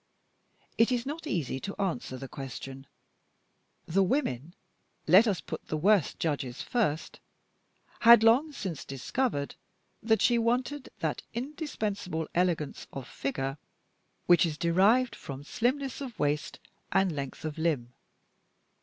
It is not easy to answer the question. The women (let us put the worst judges first) had long since discovered that she wanted that indispensable elegance of figure which is derived from slimness of waist and length of limb.